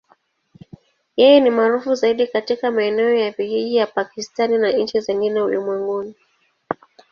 Yeye ni maarufu zaidi katika maeneo ya vijijini ya Pakistan na nchi zingine ulimwenguni.